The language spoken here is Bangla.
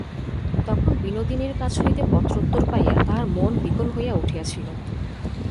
তখন বিনোদিনীর কাছ হইতে পত্রোত্তর পাইয়া তাহার মন বিকল হইয়া উঠিয়াছিল।